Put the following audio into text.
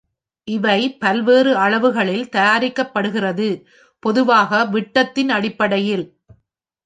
இவை பல்வேறு அளவுகளில் தயாரிக்கப்படுகிறது, பொதுவாக விட்டத்தின் அடிப்படையில்.